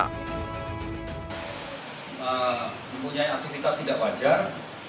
mempunyai aktivitas tidak wajar